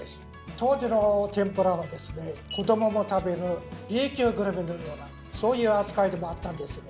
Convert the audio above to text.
当時の天ぷらはですね子どもも食べるＢ級グルメのようなそういう扱いでもあったんですね。